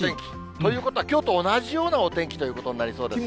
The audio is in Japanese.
ということはきょうと同じようなお天気ということになりそうです